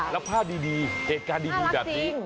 แล้วภาพดีเหตุการณ์ดีแบบนี้